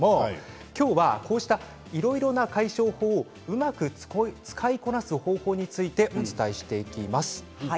今日はこうした、いろいろな解消法をうまく使いこなす方法お伝えします。